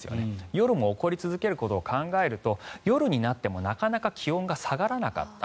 夜も起こり続けることを考えると夜になってもなかなか気温が下がらなかった。